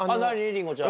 りんごちゃん。